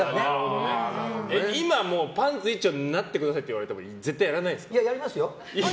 今、パンツ一丁になってくださいって言われてもいや、やりますよ。